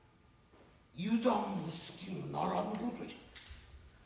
油断も隙もならぬことじゃ。